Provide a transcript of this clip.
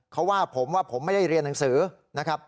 เขาว่าผมว่าผมไม่ได้เรียนหนังสือนะครับ